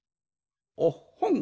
おっほん。